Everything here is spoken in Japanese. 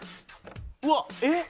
うわっえっ？